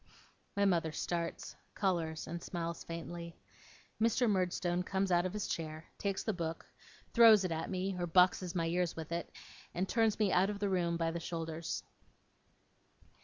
My mother starts, colours, and smiles faintly. Mr. Murdstone comes out of his chair, takes the book, throws it at me or boxes my ears with it, and turns me out of the room by the shoulders.